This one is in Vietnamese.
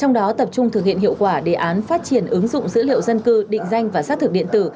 trong đó tập trung thực hiện hiệu quả đề án phát triển ứng dụng dữ liệu dân cư định danh và xác thực điện tử